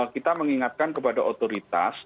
kita mengingatkan kepada otoritas